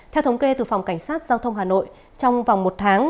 theo thống kê từ phòng cảnh sát giao thông hà nội trong vòng một tháng